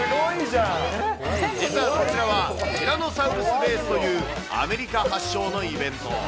実はこちらはティラノサウルスレースという、アメリカ発祥のイベント。